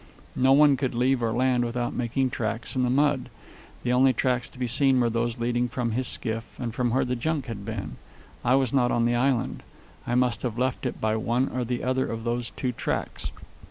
No one could leave or land without making tracks in the mud. The only tracks to be seen were those leading from his skiff and from where the junk had been. I was not on the island. I must have left it by one or the other of those two tracks.